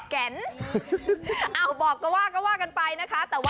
แก่นอ้าวบอกก็ว่าก็ว่ากันไปนะคะแต่ว่า